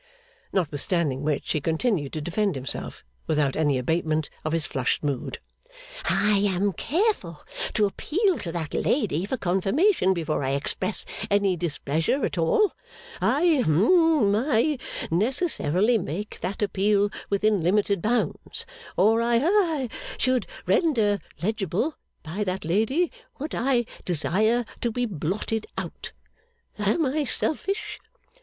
Notwithstanding which, he continued to defend himself, without any abatement of his flushed mood. 'I am careful to appeal to that lady for confirmation, before I express any displeasure at all. I hum I necessarily make that appeal within limited bounds, or I ha should render legible, by that lady, what I desire to be blotted out. Am I selfish?